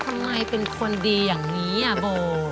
ทำไมเป็นคนดีอย่างนี้อ่ะโบ